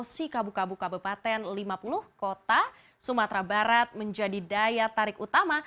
si kabu kabu kabu paten lima puluh kota sumatera barat menjadi daya tarik utama